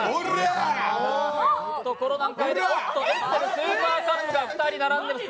おっと、エッセルスーパーカップが２人並んでます。